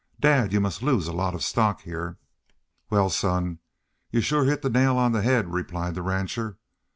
Dad, you must lose a lot of stock here." "Wal, son, you shore hit the nail on the haid," replied the rancher.